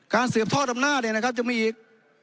การเสือบท่อธรรมนาเนี่ยนะครับยังมีอีก